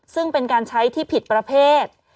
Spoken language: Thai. ซึ่งเป็นการใช้ที่ผิดประเภท